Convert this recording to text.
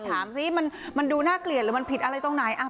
ถามสิมันดูน่าเกลียดหรือมันผิดอะไรตรงไหน